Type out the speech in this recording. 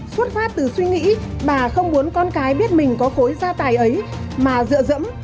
xuất phát từ suy nghĩ bà không muốn con cái biết mình có khối gia tài ấy mà dựa dẫm